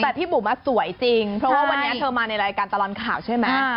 แต่พี่บุ๋มสวยจริงเพราะว่าวันนี้เธอมาในรายการตลอดข่าวใช่ไหม